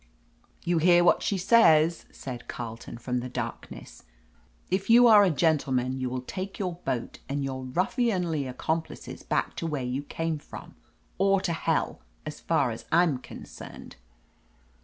"You hear what she says," said Carleton, 335 THE AMAZING ADVENTURES from the darkness. "If 3rou are a gentleman you will take your boat and your ruffianly ac complices back to where you came from— or to hell, as far as I'm concerned."